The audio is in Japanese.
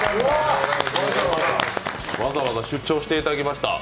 わざわざ出張していただきました。